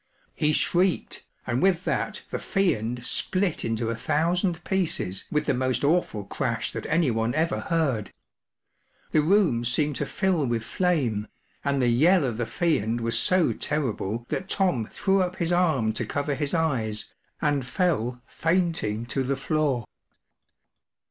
He shrieked, and with that the Fiend split into a thousand pieces with the most awful crash that anyone ever heard. The room seemed to fill with flame, and the yell of the Fiend was so terrible that Tom threw up his arm to cover his eyes, and fell fainting to the floor.